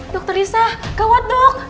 dokter lisa gawat dok